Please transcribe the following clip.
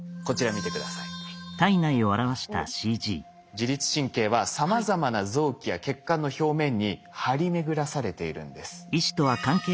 自律神経はさまざまな臓器や血管の表面に張り巡らされているんです。